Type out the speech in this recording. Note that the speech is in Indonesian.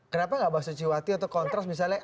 kenapa tidak mas suciwati atau kontras misalnya